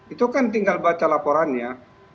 itu kan tinggal baca laporannya